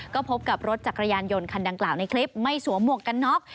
ก็พบกับรถจักรยานยนต์คันดังกล่าวในคลิปไม่สวมหมวกกันน็อก